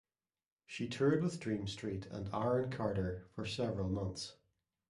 She toured with Dream Street and Aaron Carter for several months.